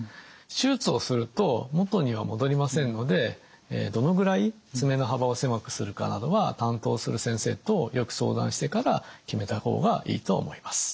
手術をすると元には戻りませんのでどのぐらい爪の幅を狭くするかなどは担当する先生とよく相談してから決めた方がいいとは思います。